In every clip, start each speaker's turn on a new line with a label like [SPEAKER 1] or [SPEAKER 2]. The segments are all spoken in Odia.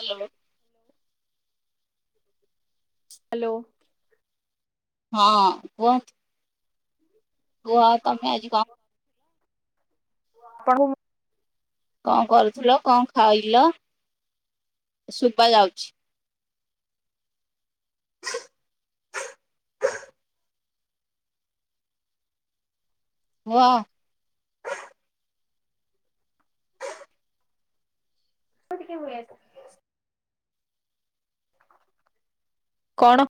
[SPEAKER 1] ହ୍ୟାଲୋ।
[SPEAKER 2] ହ୍ୟାଲୋ।
[SPEAKER 1] ହଁ କୁହ। କୁହ ତମେ ଆଜି କ
[SPEAKER 2] ପଳଉ।
[SPEAKER 1] କଣ କରୁଥିଲ କଣ ଖାଇଲ ଶୁବା ଯାଉଛି। କୁହ।
[SPEAKER 2] [unintelligible] କଣ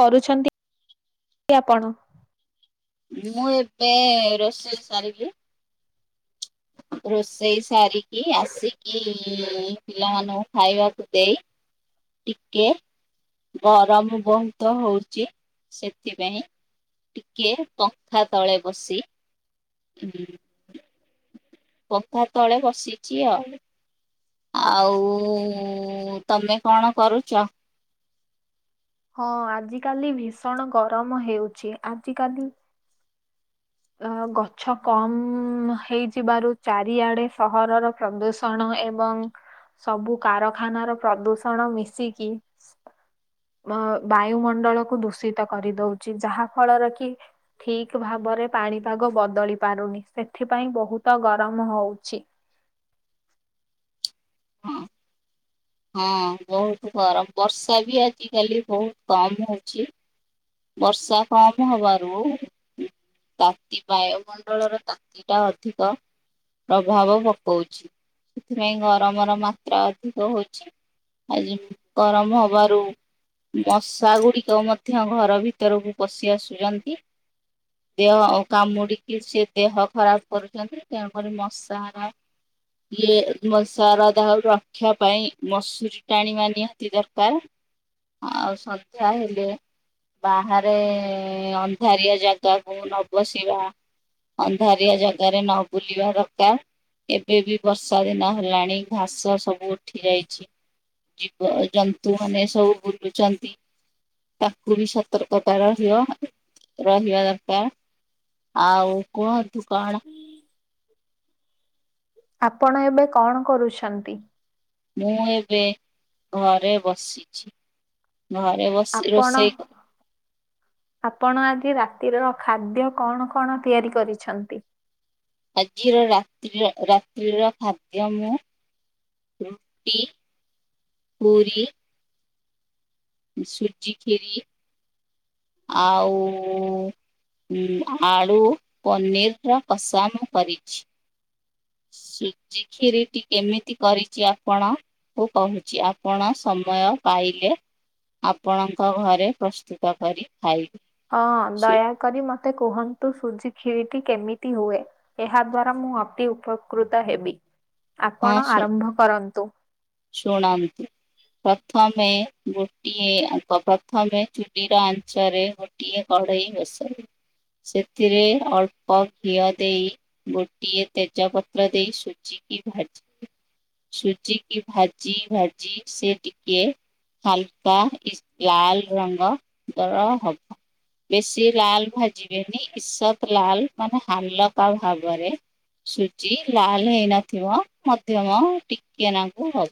[SPEAKER 2] କରୁଛନ୍ତି କି ଆପଣ?
[SPEAKER 1] ମୁଁ ଏବେ ରୋଷେଇ ସାରିଲି।
[SPEAKER 2] [unintelligible]
[SPEAKER 1] ରୋଷେଇ ସାରିକି ଆସିକି ପିଲାମାନଙ୍କୁ ଖାଇବାକୁ ଦେଇ ଟିକେ ଗରମ ବହୁତ ହଉଚି ସେଥିପାଇଁ ଟିକେ ପଙ୍ଖା ତଳେ ବସି ପଙ୍ଖା ତଳେ ବସିଛି ଆଉ। ଆଉ ତମେ କଣ କରୁଚ?
[SPEAKER 2] ହଁ ଆଜିିକାଲି ଭୀଷଣ ଗରମ ହେଉଛି ଆଜିିକାଲି ଅ ଗଛ କମ ହେଇଥିବାରୁ ଚାରିଆଡେ ସହରର ପ୍ରଦୂଷଣ ଏବଂ ସବୁ କାରଖାନାର ପ୍ରଦୂଷଣ ମିଶିକି ବ ବାୟୁମଣ୍ଡଳକୁ ଦୂଷିତ କରି ଦଉଚି ଯାହା ଫଳର କି ଠିକ୍ ଭାବରେ ପାଣିପାଗ ବଦଳି ପାରୁନି ସେଥିପାଇଁ ବହୁତ ଗରମ ହଉଛି।
[SPEAKER 1] ହଁ। ହଁ ବହୁତ ଗରମ, ବର୍ଷା ବି ଆଜିକାଲି ବହୁତ କମ ହଉଚି। ବର୍ଷା କମ ହବାରୁ ତାତି ବାୟୁମଣ୍ଡଳର ତାତିଟା ଅଧିକ ପ୍ରଭାବ ପକଉଛି, ସେଥିପାଇଁ ଗରମର ମାତ୍ରା ଅଧିକ ହୋଉଛି। ଆଜି ଗରମ ହବାରୁ ମଶା ଗୁଡ଼ିକ ମଧ୍ୟ ଘର ଭିତରକୁ ପଶି ଆସୁଚନ୍ତି। ଦେହ କାମୁଡିକି ସିଏ ଦେହ ଖରାପ କରୁଛନ୍ତି। ଏଠି ଆମର ମଶା ହରା ଇଏ ମଶାର ଦାଉ ରକ୍ଷା ପାଇଁ ମଶୁରୀ ଟାଣିବା ନିହାତି ଦରକାର। ଆଉ ସଂଧ୍ୟା ହେଲେ ବାହାରେ ଅନ୍ଧାରିଆ ଜାଗାକୁ ନ ବସିବା। ଅନ୍ଧାରିଆ ଜାଗାରେ ନ ବୁଲିବା ଦରକାର। ଏବେ ବି ବର୍ଷା ଦିନ ହେଲାଣି ଘାସ ସବୁ ଉଠି ଯାଇଚି। ଜୀବଜନ୍ତୁମାନେ ସବୁ ବୁଲୁଚନ୍ତି ତାକୁ ବି ସ ତର୍କତା ରହିବ ରହିବା ଦକା ଆଉ କୁହତୁ କଣ?
[SPEAKER 2] ଆପଣ ଏବେ କଣ କରୁଛନ୍ତି?
[SPEAKER 1] ମୁଁ ଏବେ ଘରେ ବସିଛି, ଘରେ ବ
[SPEAKER 2] ଆପଣ ଆପଣ ଆଜି ରାତିର ଖାଦ୍ୟ କଣ କଣ ତିଆରି କରିଛନ୍ତି?
[SPEAKER 1] ଆଜିର ରାତ୍ରିର ରାତ୍ରିର ଖାଦ୍ୟ ମୁଁ ରୁଟି, ପୁରି ସୁଜି କ୍ଷୀରି ଆଉ ଉଁ ଆଳୁ ପନିରର କଷା ମୁଁ କରିଛି। ସୁଜିକ୍ଷୀରିଟି କେମିତି କରିଚି ଆପଣ ଉ କହୁଚି ଆପଣ ସମୟ ପାଇଲେ ଆପଣଙ୍କ ଘରେ ପ୍ରସ୍ତୁତ କରି ଖାଇ
[SPEAKER 2] ହଁ ଦୟାକରି ମତେ କୁହନ୍ତୁ ସୁଜିକ୍ଷୀରିଟି କେମିତି ହୁଏ। ଏହା ଦ୍ଵାରା ମୁଁ ଅତି ଉପକୃତ ହେବି।
[SPEAKER 1] ହଁ
[SPEAKER 2] ଆପଣ
[SPEAKER 1] ଶୁ
[SPEAKER 2] ଆରମ୍ଭ କରନ୍ତୁ।
[SPEAKER 1] ଶୁଣନ୍ତୁ। ପ୍ରଥମେ ଗୋଟିଏ ଆଙ୍କ ପ୍ରଥମେ ଚୁଲିର ଆଂଞ୍ଚରେ ଗୋ ଟିଏ କଢ଼େଇ ବସାଉ ସେଥିରେ ଅଳ୍ପ ଘିଅ ଦେଇ ଗୋଟିଏ ତେଜ ପତ୍ର ଦେଇ ସୁଜିକି ଭାଜି ସୁଜିି କି ଭାଜି ଭାଜି ସେ ଟିକେ ହାଲକା ଇସ୍ ଲାଲ ରଙ୍ଗ ଦର ହବ। ବେଶୀ ଲାଲ ଭାଜିବେନି ଇସତ ଲାଲ ମାନେ ହାଲକା ଭାବରେ ସୁଜି ଲାଲ ହେଇନଥିବ ମଧ୍ୟମ ଟିକେ ନାଁକୁ ହଉ।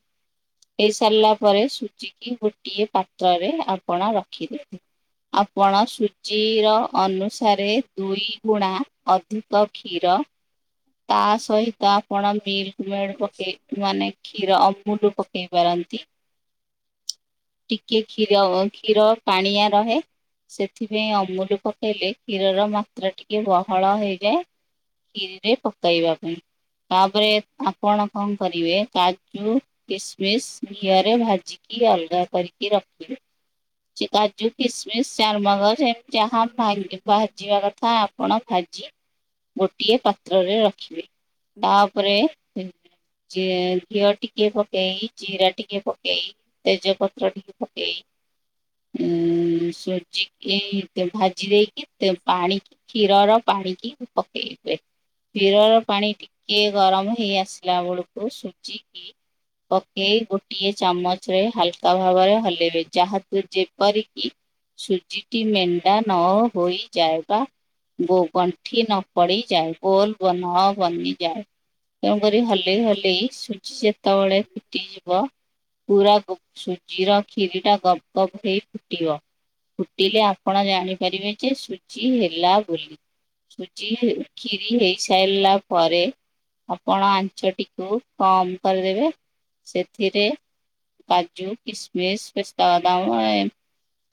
[SPEAKER 1] ଏଇ ସାରିଲା ପରେ ସୁଜିକି ଗୋଟିଏ ପାତ୍ରରେ ଆପଣ ରଖିଦେବେ। ଆପଣ ସୁଜିର ଅନୁସାରେ ଦୁଇ ଗୁଣା ଅଧିକ କ୍ଷୀର ତା ସହିତ ଆପଣ ମିଲ୍କ ମେଡ ପକେଇ ମାନେ କ୍ଷୀର ଅମୁଲୁ ପକେଇ ପାରନ୍ତି।
[SPEAKER 2] [inaudible]
[SPEAKER 1] ଟିକେ କ୍ଷୀର ଅ କ୍ଷୀର ପାଣିଆ ରହେ। ସେଥିପାଇଁ ଅମୁଲୁ ପକେଇଲେ କ୍ଷୀରର ମାତ୍ରା ଟିକେ ବହଳ ହେଇଯାଏ। କ୍ଷିରିରେ ପକାଇବା ପାଇଁ ତାପରେ ଆପଣ କଣ କରିବେ କାଜୁ କିସମିସ ଘିଅରେ ଭାଜିକି ଅଲଗା କରିକି ରଖିବେ। ଚି କାଜୁ କିସମିଶ ଚାରୁମଗଜ ଏମତୀ ଯାହା ଭାଙ୍ଗ ଭାଜିବା କଥା ଆପଣ ଭାଜି ଗୋଟିଏ ପାତ୍ରରେ ରଖିବେ। ତାପରେ ଇ ଯେ ଘିଅ ଟିକେ ପକେଇ ଜିରା ଟିକେ ପକେଇ ତେଜ ପତ୍ର ଟିକେ ପକେଇ ଉଁ ସୁଜିକି ତେ ଭାଜି ଦେଇକି ସେଥିରେ ପାଣି କ୍ଷୀରର ପାଣିିକି ପକେଇ ଦେ କ୍ଷୀରର ପାଣି ଟିକେ ଗରମ ହେଇ ଆସିଲା ବେଳକୁ ସୁଜିକି ପକେଇ ଗୋଟିଏ ଚାମଚରେ ହାଲକା ଭାବରେ ହଲେଇବେ ଯାହାକୁ ଯେପରିକି ସୂଜିଟି ମେଣ୍ଡା ନ ହୋଇ ଯାଏ ବା ଗୋ ଗଣ୍ଠି ନ ପଡିଯାଏ ଗୋଲ ବନ ବନିଯାଏ। ତେଣୁ କରି ହଲେଇ ହଲେଇ ସୁଜି ଯେତେବେଳେ ଫୁଟିଯିବ ପୁରା ଗୋ ସୁଜିର କ୍ଷିରି ଟା ଗପ୍ ଗପ୍ ହେଇ ଫୁଟିବ। ଫୁଟିଲେ ଆପଣ ଜାଣିପାରିବେ ଯେ ସୁଜି ହେଲା ବୋଲି। ସୁଜି କ୍ଷିରି ହେଇସାରିଲା ପରେ ଆପଣ ଆଞ୍ଚଟିକୁ କମ କରିଦେବେ ସେଥିରେ କାଜୁ କିଶମିଶ ପେସ୍ତା ବଦାମ ଏଁ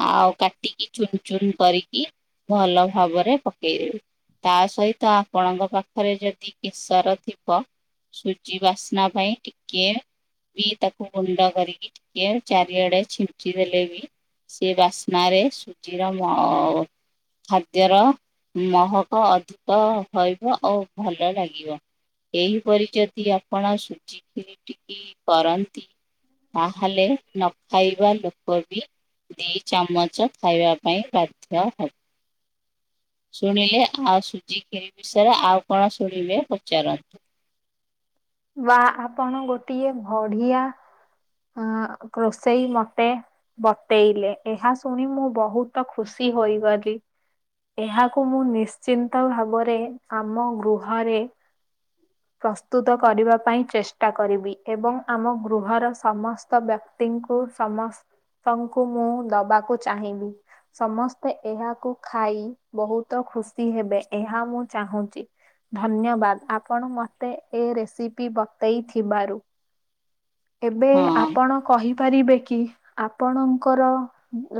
[SPEAKER 1] ଆଉ କାଟିକି ଚୁନୁ ଚୁନୁ କରିକି ଭଲ ଭାବରେ ପକେଇଦେବେ। ତା ସହିତ ଆପଣଙ୍କ ପାଖରେ ଯଦି କେଶର ଥିବ ସୁଜି ବାସି ନା ପାଇଁ ଟିକେ ବି ତାକୁ ଗୁଣ୍ଡ କରିକି ଟିକେ ଚାରିଆଡେ ଛିଞ୍ଚି ଦେଲେ ବି ସେ ବାସ୍ନ ରେ ସୁଜିର ମ ଅ ଖାଦ୍ୟର ମହକ ଅଧିକ ହଇବ ଓ ଭଲ ଲାଗିବ। ଏହି ପରି ଯଦି ଆପ ଆପଣ ସୁଜି ଖିରି ଟିକି କରନ୍ତି ତାହେଲେ ନ ଖାଇବା ଲୋ କୋବି ଦି ଚାମଚ ଖାଇବା ପାଇଁ ବାଧ୍ୟ ହବ। ଶୁଣିଲେ ଆଉ ସୁଜି କ୍ଷିରି ବିଷୟରେ ଆଉ କଣ ଶୁଣିବେ ପଚାରନ୍ତୁ।
[SPEAKER 2] ୱା ଆପଣ ଗୋଟିଏ ବଢିଆ ଆଁ ରୋଷେଇ ମତେ ବତେଇଲେ ଏହା ଶୁଣି ମୁଁ ବହୁତ ଖୁସି ହୋଇଗଲି। ଏହାକୁ ମୁଁ ନିଶ୍ଚିନ୍ତ ଭାବରେ ଆମ ଗୃହରେ ପ୍ରସ୍ତୁତ କରିବା ପାଇଁ ଚେଷ୍ଟା କରିବି ଏବଂ ଆମ ଗୃହର ସମସ୍ତ ବ୍ୟକ କ୍ତିଙ୍କୁ ସମସ୍ତଙ୍କୁ ମୁଁ ଦବାକୁ ଚାହିଁବି। ସମସ୍ତେ ଏହାକୁ ଖାଇ ବହୁତ ଖୁସି ହେବେ ଏହା ମୁଁ ଚାହୁଁଚି। ଧନ୍ୟବାଦ ଆପଣ ମତେ ଏ ରେସିପି ବତେଇଥିବାରୁ। ଏବେ
[SPEAKER 1] ହଁ
[SPEAKER 2] ଆପଣ କହିପାରିବେ କି ଆପଣଙ୍କର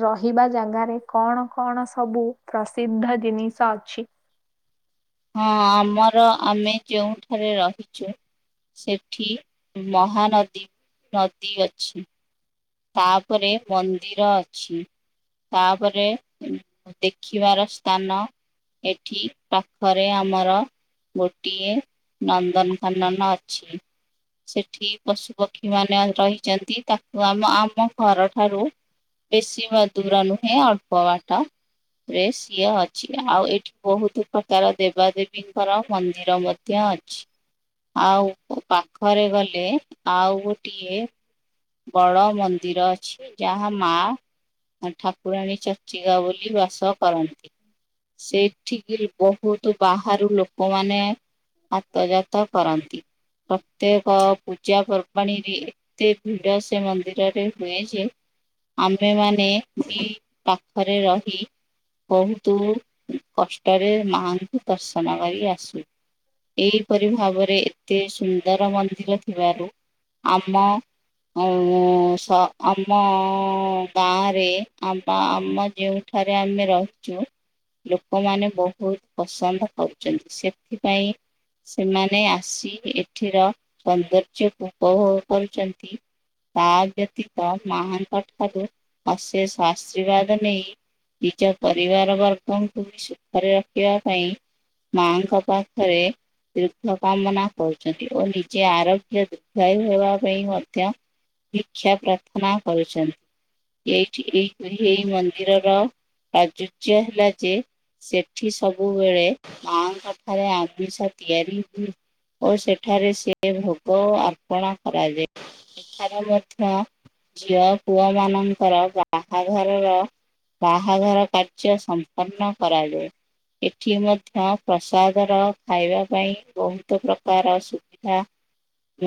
[SPEAKER 2] ରହିବା ଜାଗାରେ କଣ କଣ ସବୁ ପ୍ରସିଦ୍ଧ ଜିନିଷ ଅଛି।
[SPEAKER 1] ହଁ ଆମର ଆମେ ଯେଉଁଠାରେ ରହିଛୁ। ସେଠି ମହାନଦୀ ନଦୀ ଅଛି। ତାପରେ ମନ୍ଦିର ଅଛି। ତାପରେ ଦେଖିବାର ସ୍ଥାନ ଏଠି ପାଖରେ ଆମର ଗୋଟିଏ ନନ୍ଦନକନନ ଅଛି। ସେଠି ପଶୁ ପକ୍ଷୀ ମାନେ ରହିଛନ୍ତି ତାକୁ ଆମେ ଆମ ଘରଠାରୁ ବେଶୀ ମ ଦୁର ନୁହେଁ ଅଳ୍ପ ବାଟ। ରେ ସିଏ ଅଛି ଆଉ ଏଠି ବହୁତ ପ୍ରକାର ଦେବା ଦେବୀଙ୍କର ମନ୍ଦିର ମଧ୍ୟ ଅଛି। ଆଉ ପାଖରେ ଗଲେ ଆଉ ଗୋଟିଏ ବଡ ମନ୍ଦିର ଅଛି ଯାହା ମା ଠାକୁରାଣୀ ଚ ଚିର ବୋଲି ବାସ କରନ୍ତି। ସେଇଠିକି ବ ବହୁତ ବାହାରୁ ଲୋକମାନେ ଆତଜାତ କରନ୍ତି। ପ୍ରତ୍ୟେକ ପୂଜା ପର୍ବାଣିୀରେ। ଭିଡ ସେ ମନ୍ଦିରରେ ହୁଏ ଯେ ଆମ୍ଭେମାନେ ବି [unintelligible] ପାଖରେ ରହି। ବହୁତ କଷ୍ଟରେ ମାଙ୍କୁ ଦର୍ଶନ କରି ଆସୁ। ଏହିପରି ଭାବରେ ଏତେ ସୁନ୍ଦର ମନ୍ଦିର ଥିବାରୁ। ଆମ [unintelligible] ଆମ ଗାଁରେ ଆ ବା ଆମ ଯେଉଁଠାରେ ଆମେ ରହୁ ଛୁ ଲୋକମାନେ ବହୁତ ପସନ୍ଦ କରୁଛନ୍ତି। ସେଥିପାଇଁ ସେମାନେ ଆସି ଏଠିର ସୌନ୍ଦର୍ଯ୍ୟକୁ ଉପଭୋଗ କରୁଛନ୍ତି। ତା ବ୍ୟତୀତ ମହାଙ୍କ ଠାରୁ ଅଶେଷ ଆଶୀର୍ବାଦ ନେଇ ନିଜ ପରିବାର ବର୍ଗଙ୍କୁ ବି ସୁଖରେ ରଖିବା ପାଇଁ ମାଆଙ୍କ ପାଖରେ ଦୀର୍ଥ କାମନା କରୁଛନ୍ତି। ଓ ନିଜେ ଆରୋଗ୍ୟ ଦୁଖୟ ହେବା ପାଇଁ ମଧ୍ୟ ଭିକ୍ଷା ପ୍ରାର୍ଥନା କରୁଛନ୍ତି। ଏଇଠି ଏଇ ହେଇ ମନ୍ଦିରର ପ୍ରଚୁର୍ଯ୍ୟ ହେଲା ଯେ ସେଠି ସବୁବେଳେ ମାଙ୍କ ଠାରେ ଆମିଷ ତିଆରି ହୁଏ। ଓ ସେଠାରେ ସିଏ ଭୋଗ ଅର୍ପଣ କରାଯାଏ। ସେଠାରେ ମଧ୍ୟ ଝିଅ ପୁଅ ମାନଙ୍କର ବାହାଘରର ବାହାଘର କାର୍ଯ୍ୟ ସମ୍ପନ୍ନ କରାଯାଏ। ଏଠି ମଧ୍ୟ ପ୍ରସାଦର ଖାଇବା ପାଇଁ ବହୁତ ପ୍ରକାର ସୁବି ଧା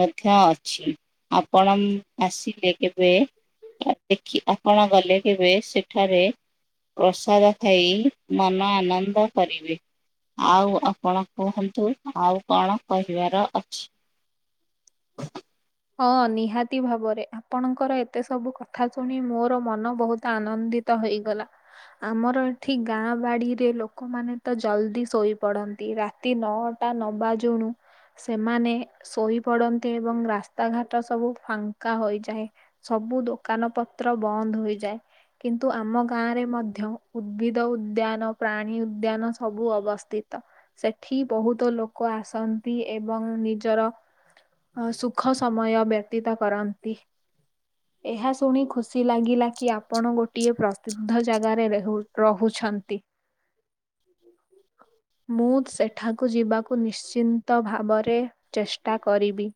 [SPEAKER 1] ମଧ୍ୟ ଅଛି ଆପଣ ଆସିଲେ କେବେ ଦେଖି ଆପଣ ଗଲେ କେବେ ସେଠାରେ। ପ୍ରସାଦ ଖାଇ ମନ ଆନନ୍ଦ କରିବେ। ଆଉ ଆପଣ କୁହନ୍ତୁ ଆଉ କଣ କହିବାର ଅଛି।
[SPEAKER 2] [inaudible] ହଁ ନିହାତି ଭାବରେ ଆପଣଙ୍କର ଏତେ ସବୁ କଥା ଶୁଣି ମୋର ମନ ବହୁତ ଆନନ୍ଦି ତ ହେଇଗଲା। ଆମର ଏଠି ଗାଁ ବାଡିରେ ଲୋକମାନେ ତ ଜଲ୍ଦି ଶୋଇପଡ଼ନ୍ତି। ରା ତି ନଅଟା ନବା ଯଉଣୁ ସେମାନେ ଶୋଇ ପଡନ୍ତି ଏବଂ ରାସ୍ ରାସ୍ତା ଘାଟ ସବୁ ଫାଙ୍କା ହୋଇଯାଏ। ସବୁ ଦୋକାନ ପତ୍ର ବନ୍ଦ ହୋଇଯାଏ। କିନ୍ତୁ ଆମ ଗାଁରେ ମଧ୍ୟ ଉଦ୍ଭିଦ ଉଦ୍ୟାନ, ପ୍ରାଣୀ ଉଦ୍ୟାନ ସବୁ ଅବସ୍ଥିତ। ସେଠି ବହୁତ ଲୋକ ଆସନ୍ତି, ଏବଂ ନିଜର ସୁଖ ଖ ସମୟ ବ୍ୟତୀତ କରନ୍ତି। ଏହା ଶୁଣି ଖୁସି ଲାଗିଲା କି ଆପଣ ଗୋଟିଏ ପ୍ରସିଦ୍ଧ ଜାଗାରେ ରହୁଛନ୍ତି। ହ ହ ମୁଁ ସେଠାକୁ ଯିବାକୁ ନିଶ୍ଚିନ୍ତ ଭାବରେ ଚେଷ୍ଟା କରିବି।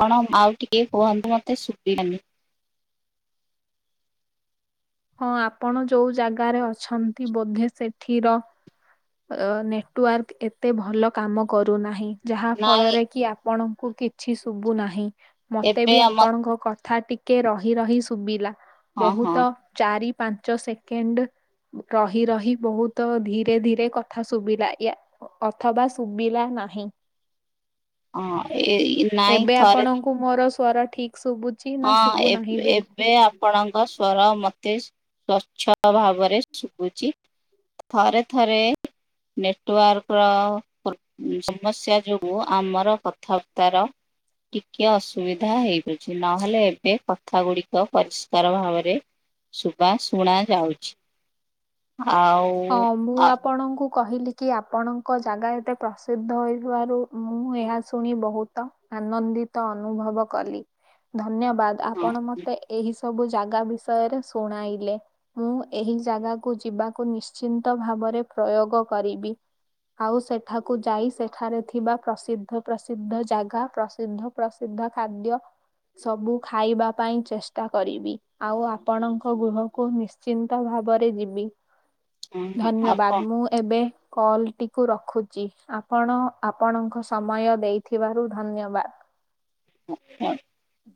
[SPEAKER 1] କଣ ଆଉ ଟିକେ କୁହନ୍ତୁ ମତେ ଶୁବିଲାନି।
[SPEAKER 2] ହଁ ଆପଣ ଯୋଉ ଜାଗାରେ ଅଛନ୍ତି ବୋଧେ ସେଠିର ଅ ନେଟୱାର୍କ ଏତେ ଭଲ କାମ କରୁନାହିଁ ଯାହା
[SPEAKER 1] ନାଇଁ
[SPEAKER 2] ଫଳରେ କି ଆପଣଙ୍କୁ କି କିଛି ଶୁଭୁ ନାହିଁ। ମତେ
[SPEAKER 1] ଏବେ
[SPEAKER 2] ବି
[SPEAKER 1] ଆମ
[SPEAKER 2] ଆପଣଙ୍କ କଥା ଟିକେ ରହି ରହି ଶୁଭିଲା।
[SPEAKER 1] ହଁ ହଁ
[SPEAKER 2] ବହୁତ ଚାରି ପାଞ୍ଚ ସେକେଣ୍ଡ ରହି ରହି ବହୁତ ଧୀରେ ଧୀରେ କଥା ଶୁଭିଲା ୟା ଅଥବା ଶୁଭିଲା ନାହିଁ।
[SPEAKER 1] ହଁ ଏଇ ନାଇଁ
[SPEAKER 2] ଏବେ
[SPEAKER 1] ଥରେ।
[SPEAKER 2] ଆପଣଙ୍କୁ ମୋର ସ୍ୱର ଠିକ୍ ଶୁଭୁ
[SPEAKER 1] ହଁ ଏବେ ଏବେ ଆ ଆପଣଙ୍କ ସ୍ଵର ମତେ ସ୍ଵଚ୍ଛଳ ଭାବରେ ଶୁଖୁଛି। ଥରେ ଥରେ ନେଟୱାର୍କ ର ସମସ୍ୟା ଯୋଗୁ ଆମର କଥାବାର୍ତ୍ତାର ଟିକେ ଅସୁବିଧା ହେଉଛି। ନହେଲେ ଏବେ କଥା ଗୁଡିକ ପରିଷ୍କାର ଭାବରେ ଶୁବା ଶୁଣା ଯାଉଛି ଆଉ
[SPEAKER 2] ହଁ ମୁଁ ଆ ଆପଣଙ୍କୁ କହିଲି କି ଆପଣଙ୍କ ଜାଗା ଏତେ ପ୍ରସିଦ୍ଧ ହୋଇଥିବାରୁ ମୁଁ ଏହା ଶୁଣି ବହୁତ ଆନନ୍ଦିତ ଅନୁଭବ କଲି ଧନ୍ୟବାଦ
[SPEAKER 1] ହଁ,
[SPEAKER 2] ଆପଣ ମତେ ଏହି ସବୁ ଜାଗା ବିଷୟରେ ଶୁଣାଇଲେ। ମୁଁ ଏହି ଜାଗାକୁ ଯିବାକୁ ନି ଶ୍ଚିନ୍ତ ଭାବରେ ପ୍ରୟୋଗ କରିବି। ଆଉ ସେଠାକୁ ଯାଇ ସେଠାରେ ଥିବା ପ୍ରସିଦ୍ଧ ପ୍ରସିଦ୍ଧ ଜାଗା ପ୍ରସିଦ୍ଧ ପ୍ରସିଦ୍ଧ ଖାଦ୍ୟ ସବୁ ଖାଇବା ପାଇଁ ଚେଷ୍ଟା କରିବି ଆଉ ଆପଣଙ୍କ ଗୃହକୁ ନି ଶ୍ଚିନ୍ତ ଭାବରେ ଯିବି।
[SPEAKER 1] ହଁ, ଆପଣ
[SPEAKER 2] ଧନ୍ୟବାଦ ମୁଁ ଏବେ କଲଟି କୁ ରଖୁଛି ଆପଣ ଆପଣଙ୍କ ସମୟ ଦେଇଥିବାରୁ ଧନ୍ୟବାଦ।
[SPEAKER 1] ହ ହଁ।
[SPEAKER 2] ହୁଁ